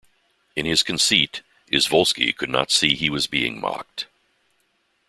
In his conceit, Izvolsky could not see he was being mocked.